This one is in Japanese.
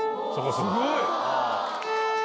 すごい！